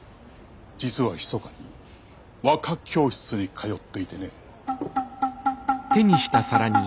実はひそかに和歌教室に通っていてね。